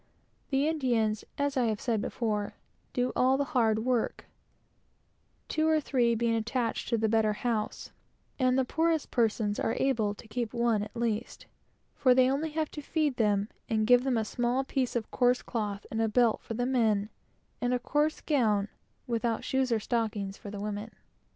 The Indians, as I have said before, do all the hard work, two or three being attached to each house; and the poorest persons are able to keep one, at least, for they have only to feed them and give them a small piece of coarse cloth and a belt, for the males; and a coarse gown, without shoes or stockings, for the females.